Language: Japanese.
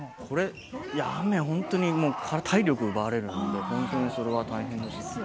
雨、本当に体力奪われるのでそれは大変でした。